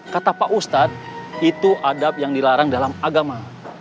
kata pak ustadz itu adab yang dilarang dalam agama